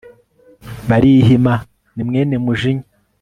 barihima ni mwene mujinya